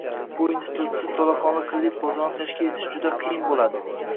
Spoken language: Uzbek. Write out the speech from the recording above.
Bu institutsiz to'laqonli kredit bozorini tashkil etish juda qiyin bo'ladi